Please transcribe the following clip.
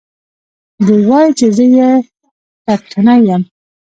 دى وايي چې زه يې ټکټنى يم.